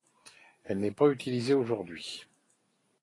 Elle n'est plus utilisée aujourd'hui.